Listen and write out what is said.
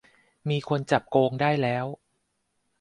มีคนจับโกงได้แล้ว